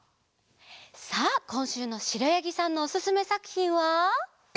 さあこんしゅうのしろやぎさんのおすすめさくひんは？